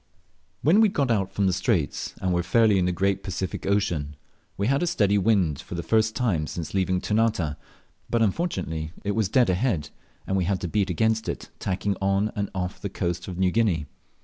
When we had got out of the Straits, and were fairly in the great Pacific Ocean, we had a steady wind for the first time since leaving Ternate, but unfortunately it was dead ahead, and we had to beat against it, tacking on and off the coast of New Guinea.